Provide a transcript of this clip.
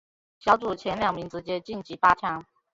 小组前两名直接晋级八强。